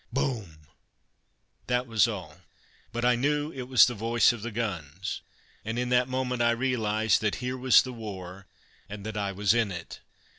"Boom!" That was all; but I knew it was the voice of the guns, and in that moment I realized that here was the war, and that I was in it.